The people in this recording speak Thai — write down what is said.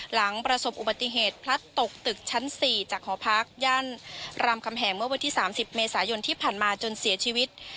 หลังประสบอุบัติเหตุพลัดตกตึกชั้น๔จากหอพักย่านรามคำแหงเมื่อวันที่๓๐เมษายนที่ผ่านมาจนเสียชีวิต